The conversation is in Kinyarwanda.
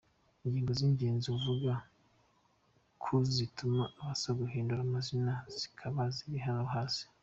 Ingingo z’ingenzi avuga ko zituma asaba guhindura amazina zikaba ziri hano hasi:.